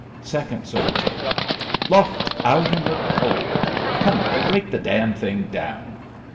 Second Soldier. Locked out in the cold. Come, break the damned thing down